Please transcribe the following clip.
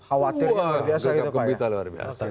awas itu luar biasa ya pak ya